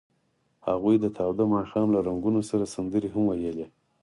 هغوی د تاوده ماښام له رنګونو سره سندرې هم ویلې.